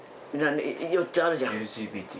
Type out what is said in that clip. ４つあるじゃん？